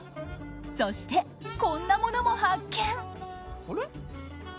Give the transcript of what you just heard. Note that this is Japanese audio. そしてこんなものも発見。